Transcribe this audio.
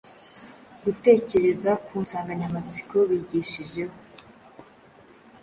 Gutekereza ku nsanganyamatsiko bigishijeho